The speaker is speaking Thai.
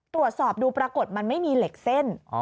ตรวจสอบดูปรากฏมันไม่มีเหล็กเส้น